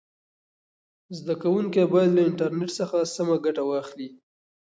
زده کوونکي باید له انټرنیټ څخه سمه ګټه واخلي.